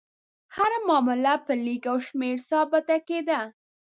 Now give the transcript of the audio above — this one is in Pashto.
هره معامله په لیک او شمېر ثابته کېده.